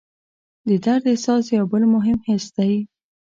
د درد احساس یو بل مهم حس دی.